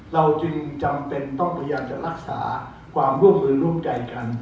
เราจึงจำเป็นต้องพยายามจะรักษาความร่วมมือร่วมใจกัน